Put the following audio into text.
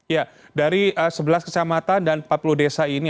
ya dari sebelas kecamatan dan empat puluh desa ini